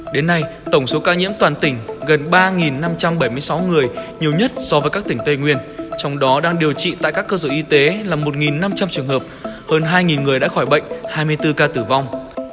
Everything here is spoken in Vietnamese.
đến nay tổng số ca nhiễm toàn tỉnh gần ba năm trăm bảy mươi sáu người nhiều nhất so với các tỉnh tây nguyên trong đó đang điều trị tại các cơ sở y tế là một năm trăm linh trường hợp hơn hai người đã khỏi bệnh hai mươi bốn ca tử vong